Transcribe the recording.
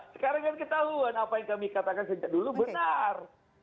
sekarang kan ketahuan apa yang kami katakan sejak dulu benar